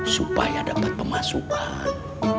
supaya dapat pemasukan